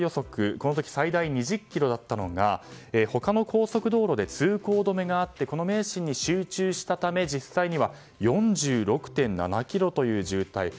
この時最大２０ｋｍだったのが他の高速道路で通行止めがあって名神に集中したため実際には４６．７ｋｍという渋滞。